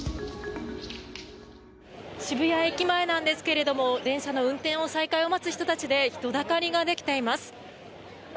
渋谷駅前なんですけど電車の運転の再開を待つ人たちで人だかりができています。